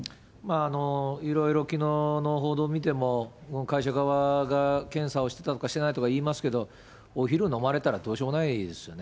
いろいろきのうの報道見ても、会社側が検査をしてたのか、してないとか言いますけど、お昼、飲まれたら、どうしようもないですよね。